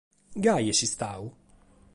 Gasi est istadu?